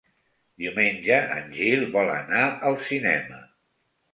Diumenge en Gil vol anar al cinema.